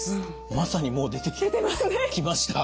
まさにもう出てきました。